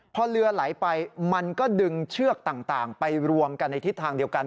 พอเรือไหลไปมันก็ดึงเชือกต่างไปรวมกันในทิศทางเดียวกัน